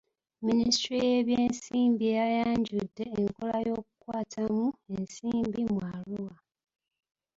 Minisitule y'ebyensimbi yayanjudde enkola y'okukwatamu ensimbi mu Arua.